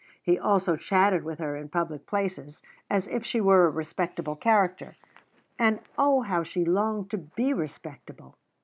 He also chatted with her in public places, as if she were a respectable character; and oh, how she longed to be respectable!